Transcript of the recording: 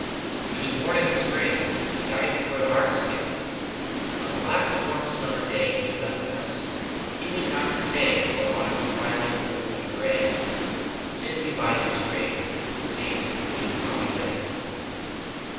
He was born in the Spring, And died before the harvesting: On the last warm summer day 10 He left us; he would not stay For Autumn twilight cold and grey. Sit we by his grave, and sing He is gone away.